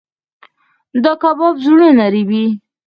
دا کباب زړونه رېبي.